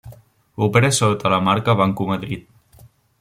Opera sota la marca Banco Madrid.